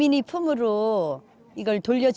ini adalah tempat yang sangat bisa dikembangkan